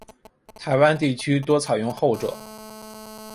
台湾地区多采用后者。